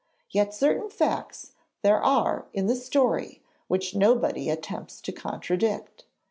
Yet certain facts there are in the story which nobody attempts to contradict.